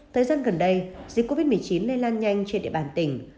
thời gian gần đây dịch covid một mươi chín lây lan nhanh trên địa bàn tỉnh